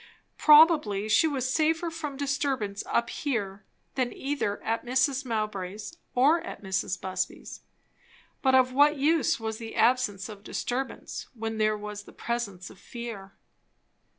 Probably she was safer from disturbance up here, than either at Mrs. Mowbray's or at Mrs. Busby's. But of what use was the absence of disturbance, when there was the presence of fear?